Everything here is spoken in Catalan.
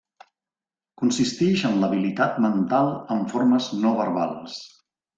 Consistix en l'habilitat mental amb formes no verbals.